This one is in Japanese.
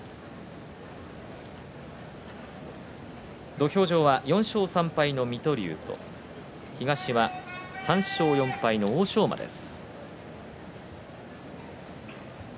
土俵上は４勝３敗の水戸龍と東は３勝４敗の欧勝馬です。